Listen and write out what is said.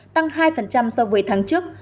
tăng hai so với tháng trước